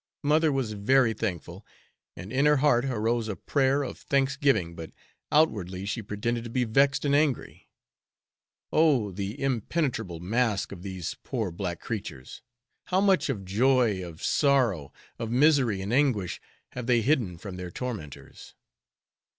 Mother was very thankful, and in her heart arose a prayer of thanksgiving, but outwardly she pretended to be vexed and angry. Oh! the impenetrable mask of these poor black creatures! how much of joy, of sorrow, of misery and anguish have they hidden from their tormentors!